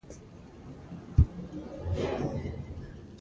دا اړیکې یوازې د توکو د اړیکو له لارې منځته راځي